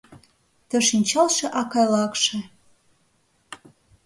Ты шинчалше акайлакше